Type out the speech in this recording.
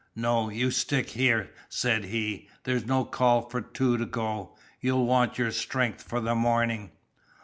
"No, you stick here," said he. "There's no call for two to go. You'll want your strength for the morning."